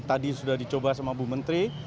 tadi sudah dicoba sama bu menteri